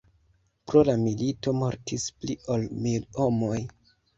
Pro la milito mortis pli ol mil homoj.